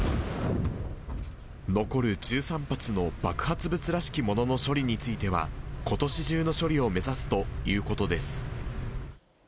残る１３発の爆発物らしきものの処理については、ことし中の処理を目指すということです。